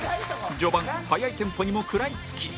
序盤速いテンポにも食らいつき